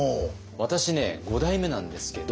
私ね五代目なんですけど。